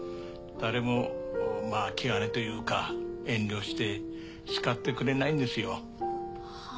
誰もまあ気兼ねというか遠慮して叱ってくれないんですよ。